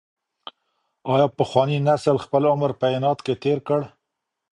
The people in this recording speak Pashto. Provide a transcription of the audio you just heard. ایا پخواني نسل خپل عمر په عناد کي تېر کړ؟